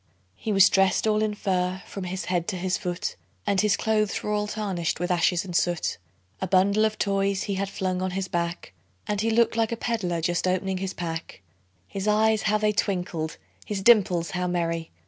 He was dressed all in fur from his head to his foot, And his clothes were all tarnished with ashes and soot; A bundle of toys he had flung on his back, And he looked like a peddler just opening his pack; His eyes how they twinkled! his dimples how merry!